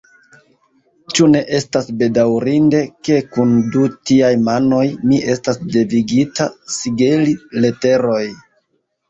Ĉu ne estas bedaŭrinde, ke, kun du tiaj manoj, mi estas devigita sigeli leteroj!